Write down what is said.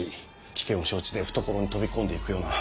危険を承知で懐に飛び込んで行くような。